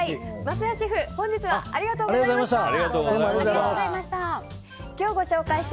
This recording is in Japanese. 桝谷シェフ本日はありがとうございました。